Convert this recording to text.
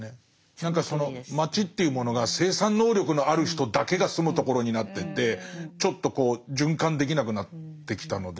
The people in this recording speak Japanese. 何かその街というものが生産能力のある人だけが住むところになっててちょっとこう循環できなくなってきたので。